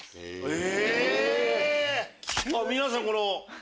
え！